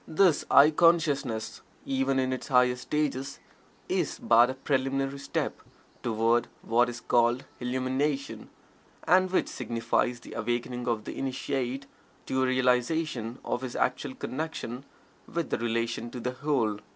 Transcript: This "I" consciousness, even in its highest stages, is but a preliminary step toward what is called "Illumination," and which signifies the awakening of the Initiate to a realization of his actual connection with and relation to the Whole.